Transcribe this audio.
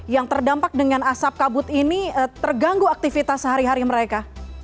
yang terdampak dengan asap kabut ini terganggu aktivitas sehari hari mereka